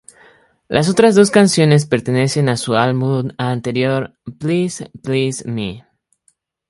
Las otras dos canciones pertenecen a su álbum anterior "Please Please Me".